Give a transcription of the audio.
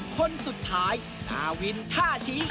คนสุดท้ายพาวินท่าชี้